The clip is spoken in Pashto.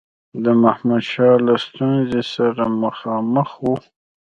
د محمودشاه له ستونزي سره مخامخ وو.